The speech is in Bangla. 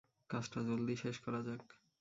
কাজটা জলদি শেষ করা যাক।